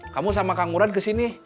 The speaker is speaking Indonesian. kamu sama kang murad kesini